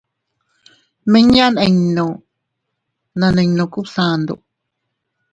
Miña ninnu na nino Kubsandu.